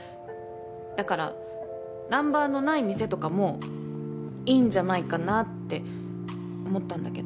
だからナンバーのない店とかもいいんじゃないかなって思ったんだけど。